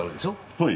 はい。